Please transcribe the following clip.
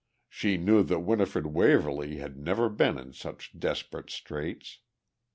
She knew that Winifred Waverly had never been in such desperate straits.